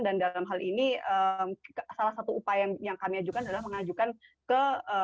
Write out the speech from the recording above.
dan dalam hal ini salah satu upaya yang kami ajukan adalah mengajukan ke